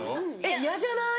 嫌じゃない？